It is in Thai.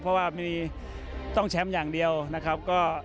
เพราะว่าต้องแชมป์อย่างเดียวนะครับ